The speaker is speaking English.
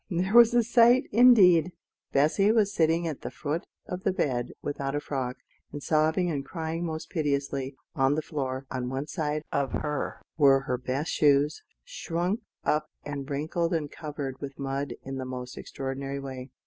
There was a sight indeed! Bessy was sitting at the foot of the bed without a frock, and sobbing and crying most piteously. On the floor, on one side of her, were her best shoes, shrunk up and wrinkled and covered with mud in the most extraordinary way.